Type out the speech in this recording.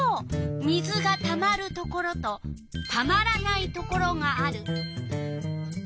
水がたまるところとたまらないところがある。